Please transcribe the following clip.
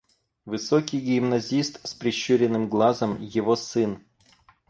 Высокий гимназист с прищуренным глазом — его сын.